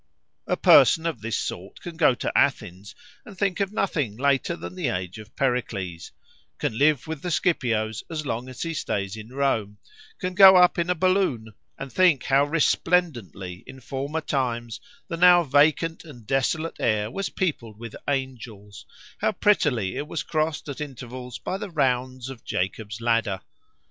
A person of this sort can go to Athens and think of nothing later than the age of Pericles; can live with the Scipios as long as he stays in Rome; can go up in a balloon, and think how resplendently in former times the now vacant and desolate air was peopled with angels, how prettily it was crossed at intervals by the rounds of Jacob's ladder!